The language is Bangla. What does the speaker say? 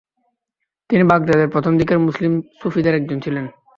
তিনি বাগদাদের প্রথমদিকের মুসলিম সুফিদের একজন ছিলেন।